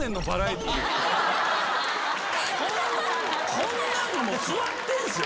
こんなのも座ってんすよ